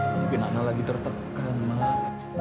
mungkin ana lagi tertekan mak